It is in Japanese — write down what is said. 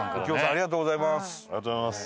ありがとうございます。